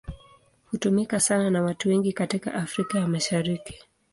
Hutumika sana na watu wengi katika Afrika ya Mashariki.